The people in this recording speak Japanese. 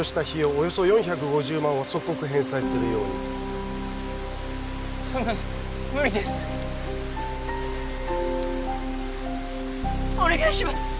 およそ４５０万は即刻返済するようにそんなの無理ですお願いします